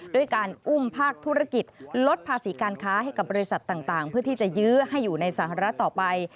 ด้วยการอุ้มภาคธุรกิจลดภาษีการค้าให้กับบริษัทต่างเพื่อที่จะยื้อให้อยู่ในสหรัฐต่อไป